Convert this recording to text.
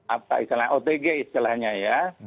apa istilahnya otg istilahnya ya